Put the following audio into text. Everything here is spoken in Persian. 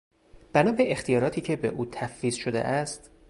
بنابه اختیاراتی که به او تفویض شده است